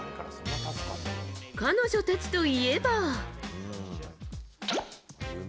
彼女たちといえば。